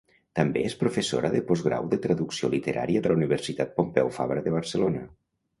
També és professora de postgrau de Traducció Literària de la Universitat Pompeu Fabra de Barcelona.